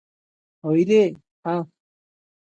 ହାଇରେ -ହା!